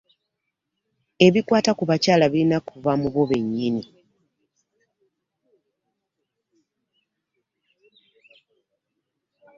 Ebikwata ku bakyala birina okuva mu bo bennyini.